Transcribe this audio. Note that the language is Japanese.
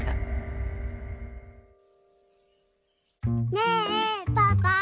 ねえパパ。